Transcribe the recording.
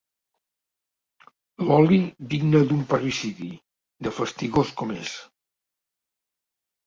L'oli digne d'un parricidi, de fastigós com és.